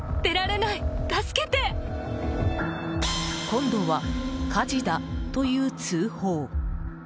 今度は、火事だという通報。